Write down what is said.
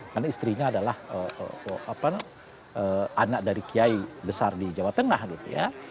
karena istrinya adalah anak dari kiai besar di jawa tengah gitu ya